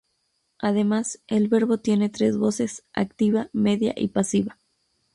Además, el verbo tiene tres voces: activa, media y pasiva.